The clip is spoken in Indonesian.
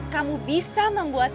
kamu bisa membuat